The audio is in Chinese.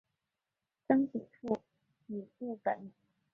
曾祖父尹务本。